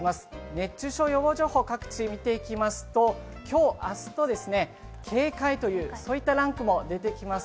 熱中症予防情報、各地見ていきますと、今日、明日と警戒といったランクも出てきます。